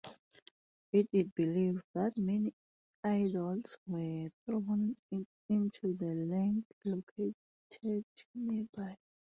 It is believed that many idols were thrown into the lake located nearby.